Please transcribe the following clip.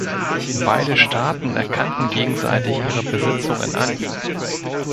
Beide Staaten erkannten gegenseitig ihre Besitzungen an.